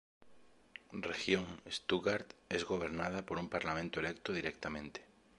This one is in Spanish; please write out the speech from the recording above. Region Stuttgart es gobernada por un parlamento electo directamente.